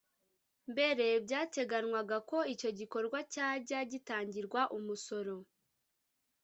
Mbere byateganywaga ko icyo gikorwa cyajya gitangirwa umusoro